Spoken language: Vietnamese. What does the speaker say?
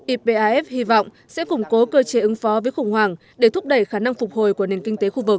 ipaf hy vọng sẽ củng cố cơ chế ứng phó với khủng hoảng để thúc đẩy khả năng phục hồi của nền kinh tế khu vực